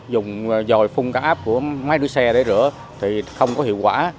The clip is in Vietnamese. dùng dòi phung cao áp của máy rửa xe để rửa thì không có hiệu quả